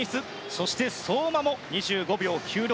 そして、相馬も２５秒９６。